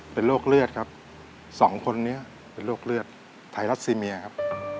เป็นโรคเลือดครับสองคนนี้เป็นโรคเลือดไทรัสซีเมียครับ